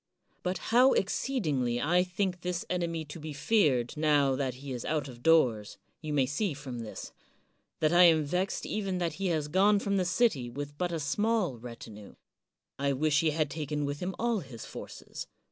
But how exceedingly I think this enemy to be feared now that he is out of doors, you may see from this, — ^that I am vexed even that he has gone from the city with but a small retinue. I wish he had taken with him all his forces.